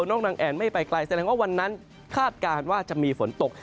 น้องนางแอ่นไม่ไปไกลแสดงว่าวันนั้นคาดการณ์ว่าจะมีฝนตก